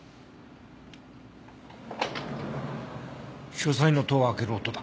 書斎の戸を開ける音だ。